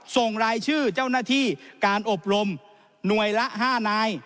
ส่งรายชื่อเจ้าหน้าที่การอบรมหน่วยละ๕นาย